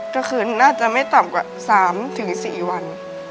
ก็คือน่าจะไม่ต่ำกว่า๓๔วัน